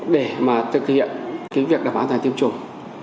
để thực hiện việc đảm bảo an toàn tiêm chủng